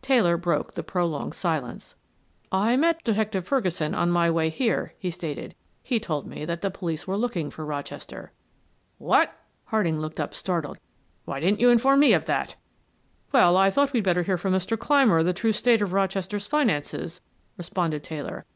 Taylor broke the prolonged silence. "I met Detective Ferguson on my way here," he stated. "He told me that the police were looking for Rochester." "What?" Harding looked up, startled. "Why didn't you inform me of that?" "Well, I thought we'd better hear from Mr. Clymer the true state of Rochester's finances," responded Taylor.